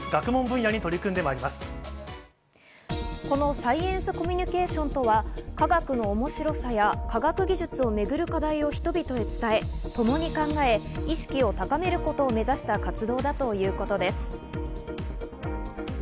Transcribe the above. このサイエンスコミュニケーションとは科学の面白さや科学技術をめぐる課題を人々に伝え、ともに考え、意識を高めることを目指した活動だということです。